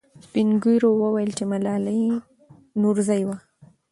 سپین ږیرو وویل چې ملالۍ نورزۍ وه.